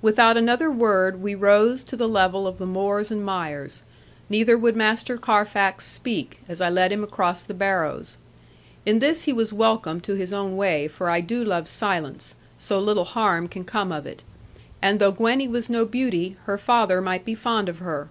Without another word we rose to the level of the moors and mires; neither would Master Carfax speak, as I led him across the barrows. In this he was welcome to his own way, for I do love silence; so little harm can come of it. And though Gwenny was no beauty, her father might be fond of her.